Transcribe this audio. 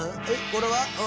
えっこれは？